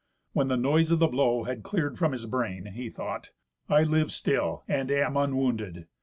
When the noise of the blow had cleared from his brain, he thought, "I live still, and am unwounded.